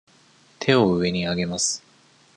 手を上に上げます。